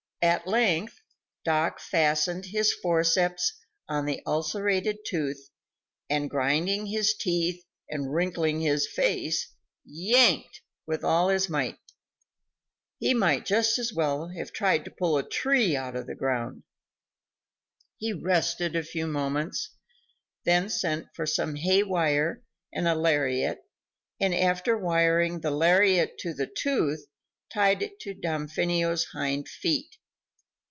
At length, Doc fastened his forceps on the ulcerated tooth, and, grinding his teeth and wrinkling his face, yanked with all his might. He might just as well have tried to pull a tree out of the ground. He rested a few moments, then sent for some hay wire and a lariat, and after wiring the lariat to the tooth, tied it to Damfino's hind feet.